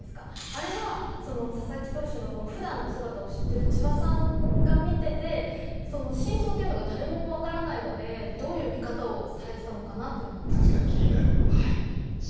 あれは佐々木投手の普段の姿を知ってる千葉さんが見てて真相っていうのが誰もわからないのでどういう見方をされてたのかなっていうのはちょっと気になります。